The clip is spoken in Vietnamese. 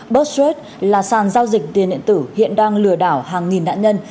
buzzfeed là sàn giao dịch tiền điện tử hiện đang lừa đảo hàng nghìn nạn nhân